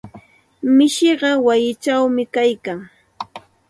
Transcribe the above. Mishiqa wayichawmi kaykan.